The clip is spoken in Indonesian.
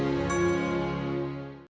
terima kasih banyak pak